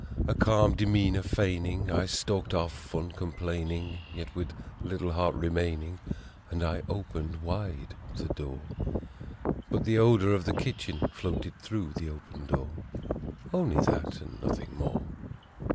Still, a calm demeanor feigning, I stalked off un complaining, Yet with little heart remaining, and I opened wide the door; But the odor of the kitchen floated through the open door Only that and nothing more.